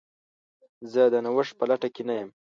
زه د نوښت په لټه کې نه یم.